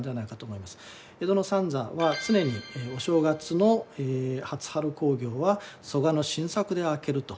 江戸の三座は常にお正月の初春興行は曽我の新作で明けると。